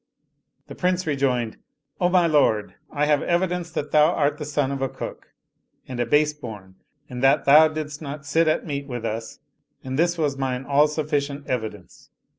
The Prince rejoined, " O my lord, I have evidence that thou art the son of a cook and a base bom, in that thou didst not sit at meat with us and this was mine all sufficient evidence.